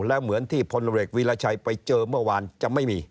แล้วเหมือนที่พลเอกวีรชัยไปเจอเมื่อวานจะไม่มี